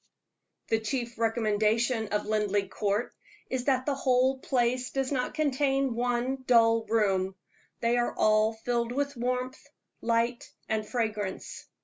The chief recommendation of Linleigh Court is that the whole place does not contain one dull room; they are all filled with warmth, light, and fragrance.